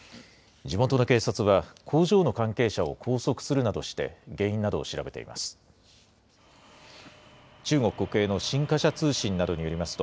地元の警察は、工場の関係者を拘束するなどして、原因などを調べています。